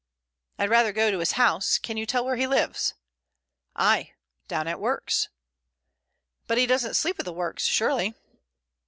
"I'd rather go to his house. Can you tell where he lives?" "Ay. Down at works." "But he doesn't sleep at the works surely?"